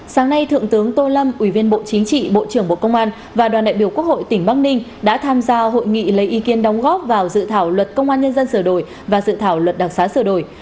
sáng nay thượng tướng tô lâm ủy viên bộ chính trị bộ trưởng bộ công an và đoàn đại biểu quốc hội tỉnh bắc ninh đã tham gia hội nghị lấy ý kiến đóng góp vào dự thảo luật công an nhân dân sửa đổi và dự thảo luật đặc xá sửa đổi